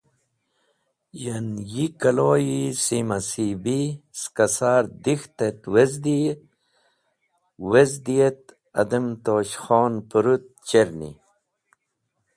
Yan, yi kalo-e simasibi skẽ sar dek̃ht et wezdi et adem Tosh Khon pũrũt cherni.